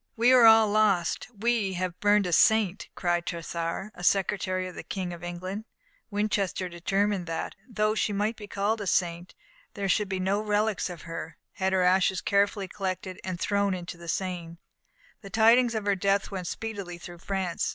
"We are all lost; we have burnt a saint!" cried Tressart, a secretary of the King of England. Winchester determined that, though she might be called a saint, there should be no relics of her had her ashes carefully collected and thrown into the Seine. The tidings of her death went speedily through France.